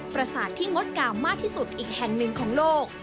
ประสาทที่งดงามมากที่สุดอีกแห่งหนึ่งของโลก